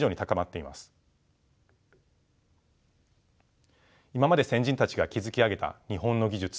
今まで先人たちが築き上げた日本の技術